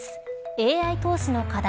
ＡＩ投資の課題